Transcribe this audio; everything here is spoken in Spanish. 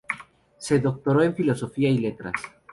Se doctoró en Filosofía y Letras.